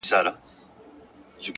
مهرباني د زړونو ترمنځ باور کرل دي.